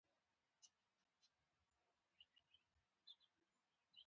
تواب رڼې اوبه وڅښلې او غره لمنې ته یې وکتل.